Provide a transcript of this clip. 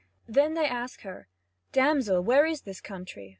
Then they ask her: "Damsel, where is this country?